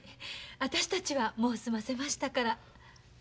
私たちはもう済ませましたから。